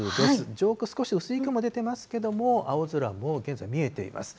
上空、少し薄い雲が出てますけれども、青空もう現在見えています。